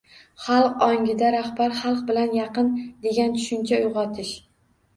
Xalq ongida rahbar xalq bilan yaqin degan tushuncha uyg‘otish.